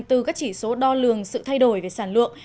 từ các chỉ số đo lường sự thay đổi về sản lượng